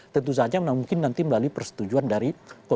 tentu saja mungkin nanti melalui persetujuan dari pemerintah